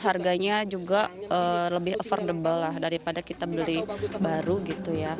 harganya juga lebih affordable lah daripada kita beli baru gitu ya